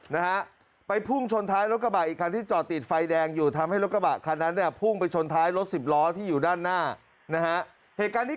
นะฮะไปพุ่งชนท้ายรถกระบะอีกคันที่จอดติดไฟแดงอยู่ทำให้รถกระบะคันนั้นเนี่ยพุ่งไปชนท้ายรถสิบล้อที่อยู่ด้านหน้านะฮะเหตุการณ์นี้